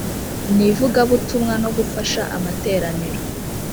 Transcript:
n ivugabutumwa no gufasha amateraniro